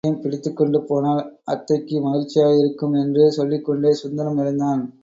குள்ளனையும் பிடித்துக்கொண்டு போனால் அத்தைக்கு மகிழ்ச்சியாக இருக்கும் என்று சொல்லிக்கொண்டே சுந்தரம் எழுந்தான்.